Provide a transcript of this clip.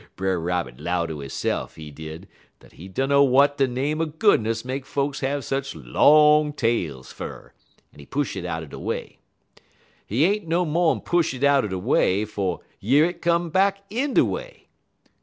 "Brer Rabbit 'low ter hisse'f, he did, dat he dunner w'at de name er goodness make folks have such long tails fer, en he push it out de way. He ain't no mo'n push it out'n de way, 'fo' yer it come back in de way.